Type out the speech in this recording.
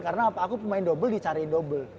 karena aku pemain dobel dicariin dobel